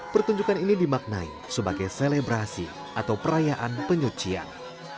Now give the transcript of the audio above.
pertunjukan ini dimaknai sebagai selebrasi atau perayaan penyucian